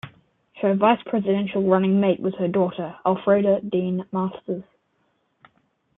Her vice-presidential running mate was her daughter, Alfreda Dean Masters.